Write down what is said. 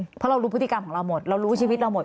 เพราะเรารู้พฤติกรรมของเราหมดเรารู้ชีวิตเราหมด